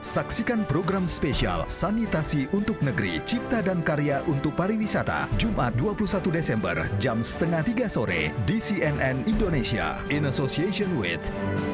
saksikan program spesial sanitasi untuk negeri cipta dan karya untuk pariwisata jumat dua puluh satu desember jam setengah tiga sore di cnn indonesia in association with